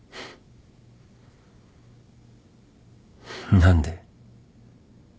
何で？